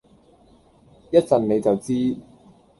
一陣你就知